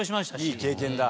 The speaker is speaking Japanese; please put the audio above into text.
いい経験だ。